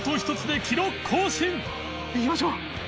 関）いきましょう！